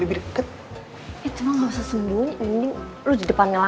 tapi gak gitu konsepnya